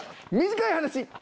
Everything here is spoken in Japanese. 「短い話」。